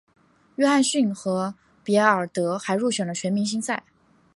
约翰逊和比尔德还入选了全明星赛。